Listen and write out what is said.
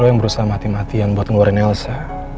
yang berusaha mati matian buat ngeluarin elsa